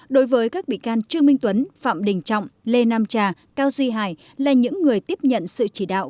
đối với các bị can trương minh tuấn phạm đình trọng lê nam trà cao duy hải là những người tiếp nhận sự chỉ đạo